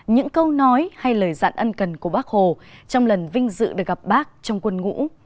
những câu nói hay lời dạn ân cần của bác hồ trong lần vinh dự được gặp bác trong quân ngũ